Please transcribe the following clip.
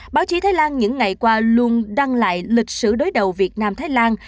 báo chí thái lan những ngày qua luôn đăng lại lịch sử đối đầu việt nam thái lan